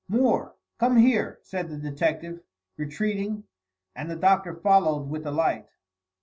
"Moore, come here," said the detective, retreating; and the Doctor followed with the light.